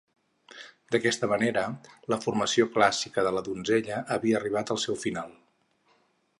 D'aquesta manera, la formació clàssica de la Donzella havia arribat al seu final.